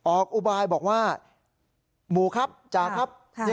อุบายบอกว่าหมู่ครับจ๋าครับ